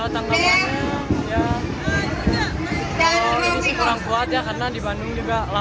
tanggapannya jadi saya kurang kuat ya karena di bandung juga